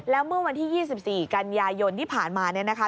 แล้วเมื่อวันที่๒๔กันยายนที่ผ่านมาเนี่ยนะคะ